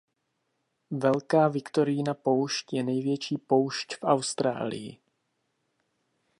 Velká Viktoriina poušť je největší poušť v Austrálii.